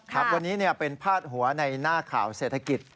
ครับวันนี้เป็นพาดหัวในหน้าข่าวเศรษฐกิจ